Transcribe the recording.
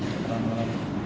enggak juga soal